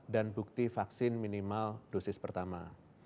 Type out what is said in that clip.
dan bukti vaksin minimal dosis pertama